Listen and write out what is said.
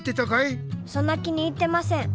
そんな気に入ってません。